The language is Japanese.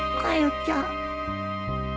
ちゃん